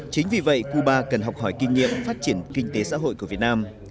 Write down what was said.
chính vì vậy cuba cần học hỏi kinh nghiệm phát triển kinh tế xã hội của việt nam